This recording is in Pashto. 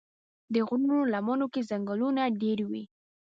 د غرونو لمنو کې ځنګلونه ډېر وي.